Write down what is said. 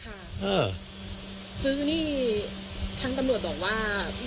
ค่ะซึ่งนี่ทางตำรวจบอกว่า